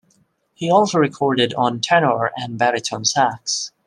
He also recorded on tenor and baritone sax.